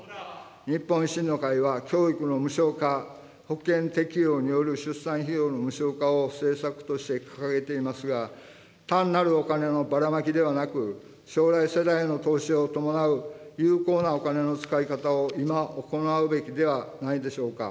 日本維新の会は教育の無償化、保険適用による出産費用の無償化を政策として掲げていますが、単なるお金のばらまきではなく、将来世代への投資を伴う有効なお金の使い方を今、行うべきではないでしょうか。